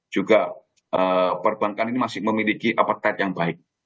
juga perbankan ini masih memiliki appetite yang baik